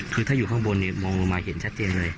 คือถ้าอยู่ข้างบนมองลงมาเห็นชัดเจนเลย